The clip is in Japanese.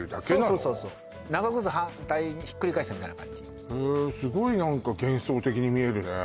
そうそうそうそう長靴反対にひっくり返したみたいな感じへえすごい何か幻想的に見えるね